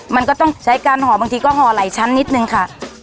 มันก็ต้องใช้การห่อบางทีก็ห่อหลายชั้นนิดนึงค่ะ